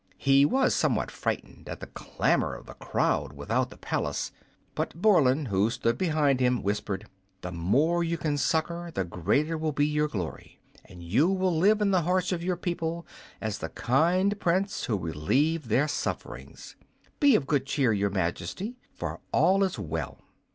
He was somewhat frightened at the clamor of the crowd without the palace, but Borland, who stood behind him, whispered, "The more you can succor the greater will be your glory, and you will live in the hearts of your people as the kind Prince who relieved their sufferings. Be of good cheer, Your Majesty, for all is well."